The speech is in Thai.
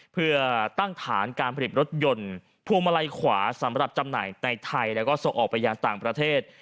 เพื่อตั้งฐานการผลิตรถยนต์พวงมาลัยขวาสำหรับจำหน่ายในไทยแล้วก็ส่งออกไปยังต่างประเทศ